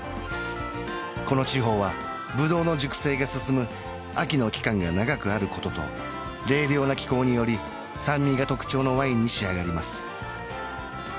この地方はブドウの熟成が進む秋の期間が長くあることと冷涼な気候により酸味が特徴のワインに仕上がります